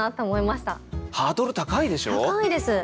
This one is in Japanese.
高いです。